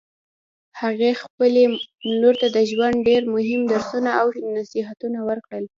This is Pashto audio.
هغې خپلې لور ته د ژوند ډېر مهم درسونه او نصیحتونه ورکړل